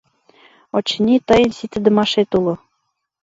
— Очыни, тыйын ситыдымашет уло...